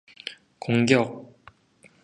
공격!